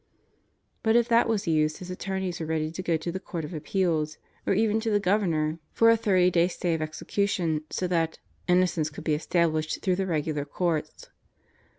But if that was used, his attorneys were ready to go to the Court of Appeals or even to the Governor for 160 God Goes to Murderers Row a thirty day stay of execution so that "innocence could be estab lished through the regular courts."